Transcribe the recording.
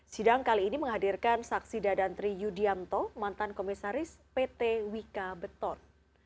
sidang kali ini menghadirkan saksi dadantri yudianto mantan komisaris pt wika beton